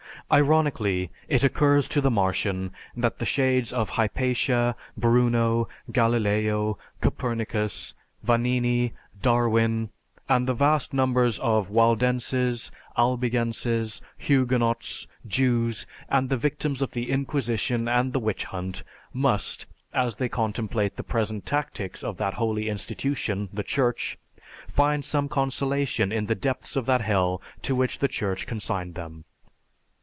Ironically it occurs to the Martian that the shades of Hypatia, Bruno, Galileo, Copernicus, Vanini, Darwin, and the vast numbers of Waldenses, Albigenses, Huguenots, Jews, and the victims of the Inquisition and the Witch Hunt, must, as they contemplate the present tactics of that Holy Institution, the Church, find some consolation in the depths of that hell to which the Church consigned them.